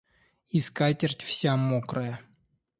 И скатерть вся мокрая.